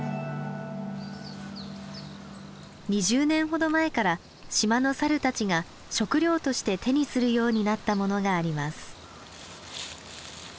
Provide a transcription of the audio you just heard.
２０年ほど前から島のサルたちが食料として手にするようになったものがあります。